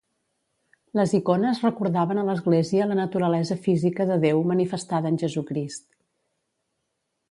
Les icones recordaven a l'Església la naturalesa física de Déu manifestada en Jesucrist.